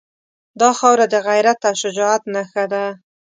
دا خاوره د غیرت او شجاعت نښه ده.